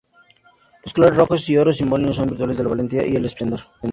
Los colores rojo y oro simbolizan las virtudes de la valentía y el esplendor.